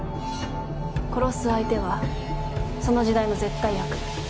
殺す相手はその時代の絶対悪。